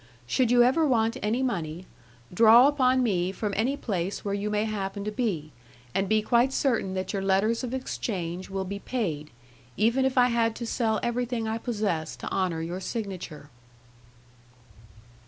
Should you ever want any money, draw upon me from any place where you may happen to be, and be quite certain that your letters of exchange will be paid, even if I had to sell everything I possess to honour your signature."